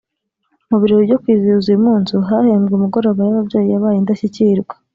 Mu birori byo kwizihiza uyu munsi hahembwe imigoroba y’ababyeyi yabaye indashyikirwa